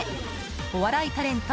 お笑いタレント